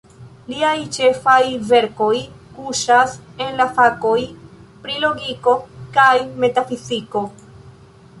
Liaj ĉefaj verkoj kuŝas en la fakoj pri logiko kaj metafiziko.